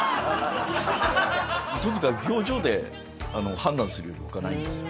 とにかく表情で判断するよりほかないんですよ。